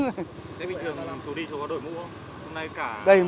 thế bình thường làm số đi chú có đội mũ không